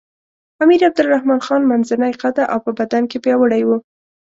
امیر عبدالرحمن خان منځنی قده او په بدن کې پیاوړی وو.